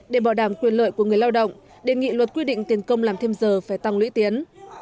để bảo đảm quyền lợi của người lao động đề nghị luật quy định tiền công làm thêm giờ phải tăng lũy tiến